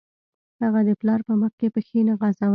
هغه د پلار په مخکې پښې نه غځولې